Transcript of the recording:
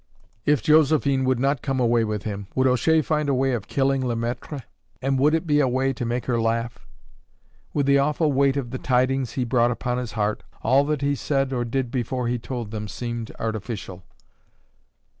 If Josephine would not come away with him, would O'Shea find a way of killing Le Maître? and would it be a way to make her laugh? With the awful weight of the tidings he brought upon his heart, all that he said or did before he told them seemed artificial.